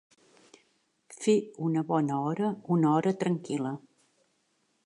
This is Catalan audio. Fer una bona hora, una hora tranquil·la.